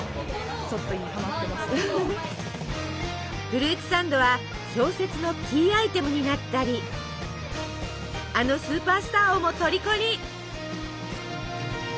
フルーツサンドは小説のキーアイテムになったりあのスーパースターをもとりこに！